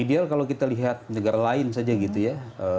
ideal kalau kita lihat negara lain saja gitu ya